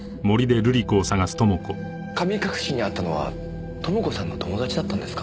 神隠しに遭ったのは朋子さんの友達だったんですか？